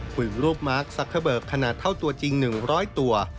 หุ่นรูปมาร์คซักเวิร์กขนาดเท่าตัวจริง๑๐๐ตัว